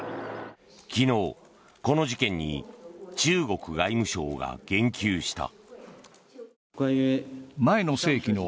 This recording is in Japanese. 昨日、この事件に中国外務省が言及した。